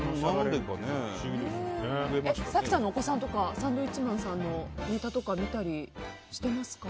早紀さんのお子さんとかサンドウィッチマンさんのネタとか見たりしていますか？